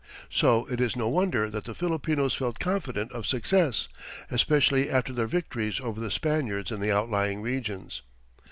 So it is no wonder that the Filipinos felt confident of success, especially after their victories over the Spaniards in the outlying regions.